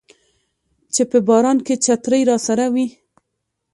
چې په باران کې چترۍ راسره وي